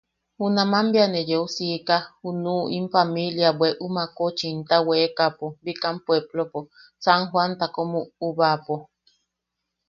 Junaman bea neu yeu siika junuʼu in pamilia bweʼu makoʼochinta weekaʼapo bikam puepplopo, San Joanta kom uʼubaʼapo.